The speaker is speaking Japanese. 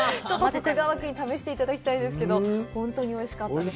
試していただきたいですけど、本当においしかったです。